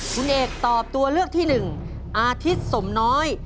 คุณเอกตอบตัวเลือกที่หนึ่งอาทิตย์สมน้อย